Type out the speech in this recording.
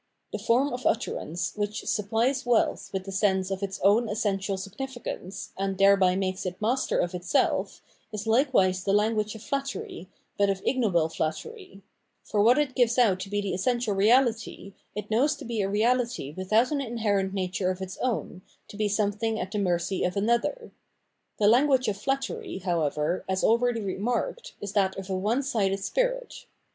The form of utterance which supplies wealth with the sense of its own essential significance, and thereby makes it master of itself, is Hkewise the language of flattery, but of ignoble flattery; for what it gives 524 'Phenomenology of Mind out to be tbe essential reality, it knows to be a xeaKty without an inherent nature of its own, to be something at the mercy of another. The language of flattery, however, as already remarked, is that of a one sided spirit.